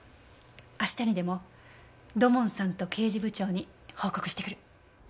明日にでも土門さんと刑事部長に報告してくる。